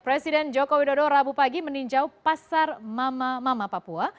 presiden joko widodo rabu pagi meninjau pasar mama mama papua